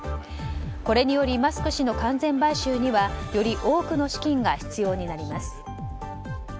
これによりマスク氏の完全買収にはより多くの資金が必要になります。